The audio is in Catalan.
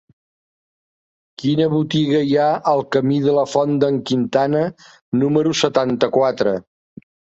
Quina botiga hi ha al camí de la Font d'en Quintana número setanta-quatre?